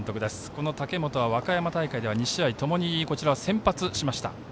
この武元は大会では２試合ともに先発しました。